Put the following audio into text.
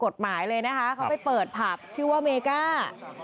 กฎหมายเลยนะคะเขาไปเปิดผับชื่อว่าเมก้า